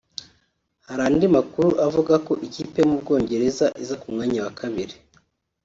Hari andi makuru avuga ko ikipe yo mu Bwongereza iza ku mwanya wa kabiri